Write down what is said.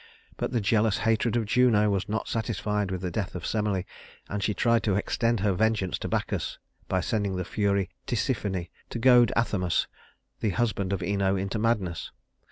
But the jealous hatred of Juno was not satisfied with the death of Semele, and she tried to extend her vengeance to Bacchus by sending the fury Tisiphone to goad Athamas, the husband of Ino, into madness.